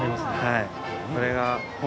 はい。